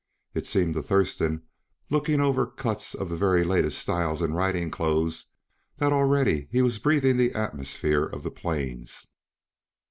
It seemed to Thurston, looking over cuts of the very latest styles in riding clothes, that already he was breathing the atmosphere of the plains.